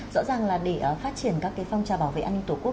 rõ ràng là để phát triển các cái phong trào bảo vệ an ninh tổ quốc